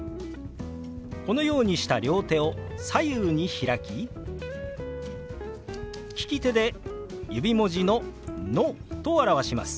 このようにした両手を左右に開き利き手で指文字の「ノ」と表します。